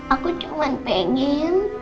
aku cuman pengen